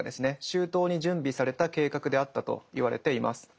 周到に準備された計画であったといわれています。